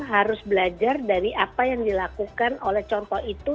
harus belajar dari apa yang dilakukan oleh contoh itu